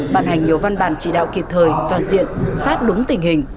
bàn hành nhiều văn bản chỉ đạo kịp thời toàn diện sát đúng tình hình